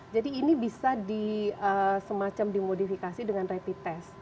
jadi ini bisa semacam dimodifikasi dengan rapid test